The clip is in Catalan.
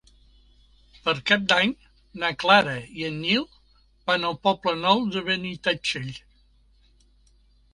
Per Cap d'Any na Clara i en Nil van al Poble Nou de Benitatxell.